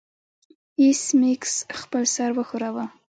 ایس میکس خپل سر وښوراوه